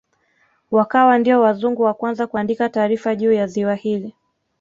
Wakawa ndio wazungu wa kwanza kuandika taarifa juu ya ziwa hili